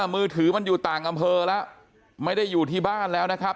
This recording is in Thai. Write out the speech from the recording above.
มือถือมันอยู่ต่างอำเภอแล้วไม่ได้อยู่ที่บ้านแล้วนะครับ